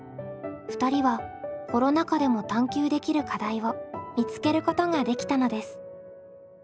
２人はコロナ禍でも探究できる課題を見つけることができたのです。